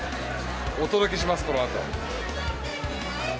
お届けします、このあと。